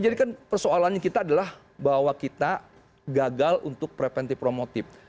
jadi kan persoalannya kita adalah bahwa kita gagal untuk preventive promotive